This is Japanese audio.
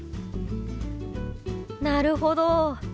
なるほど。